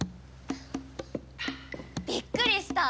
びっくりした！